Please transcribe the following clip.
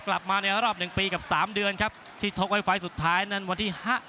กลับมาในรอบหนึ่งปีกับสามเดือนครับที่ชกไว้ไฟล์สุดท้ายนั้นวันที่ห้า